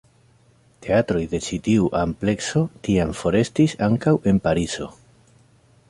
Teatroj de ĉi tiu amplekso tiam forestis ankaŭ en Parizo.